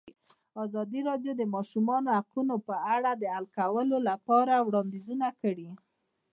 ازادي راډیو د د ماشومانو حقونه په اړه د حل کولو لپاره وړاندیزونه کړي.